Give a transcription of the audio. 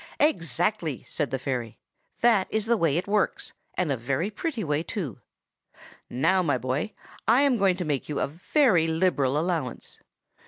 "'Exactly!' said the fairy. 'That is the way it works, and a very pretty way, too. Now, my boy, I am going to make you a very liberal allowance.